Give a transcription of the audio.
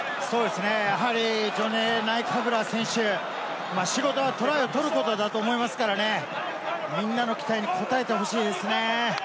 やはりジョネ・ナイカブラ選手、仕事はトライを取ることだと思いますからね、みんなの期待に応えてほしいですね。